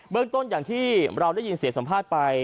เรื่องต้นอย่างที่เราได้ยินเสียงสัมภาษณ์ไป